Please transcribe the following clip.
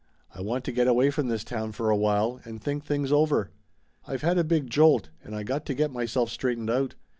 "I want to get away from this town for a while, and think things over. I've had a big jolt, and I got to get myself straightened out.